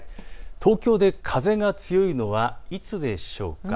東京で風が強いのはいつでしょうか。